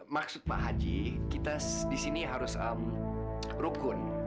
maksud pak haji kita di sini harus rukun